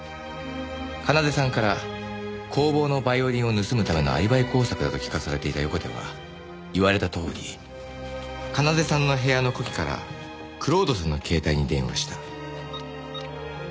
奏さんから工房のバイオリンを盗むためのアリバイ工作だと聞かされていた横手は言われたとおり奏さんの部屋の子機から蔵人さんの携帯に電話した。